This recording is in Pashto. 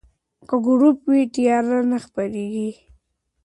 که ګروپ وي نو تیاره نه خپریږي.